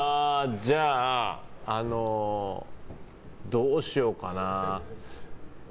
じゃあ、どうしようかな。